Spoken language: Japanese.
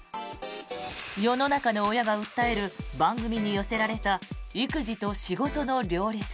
世の中の親が訴える番組に寄せられた育児と仕事の両立。